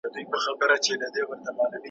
د شمشاد له هسکو څوکو، د کنړ له مسته سینده `